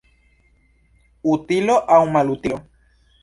Utilo aŭ malutilo?